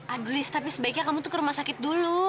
adlis tapi sebaiknya kamu tuh ke rumah sakit dulu